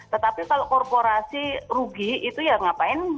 tetapi kalau korporasi rugi itu ya ngapain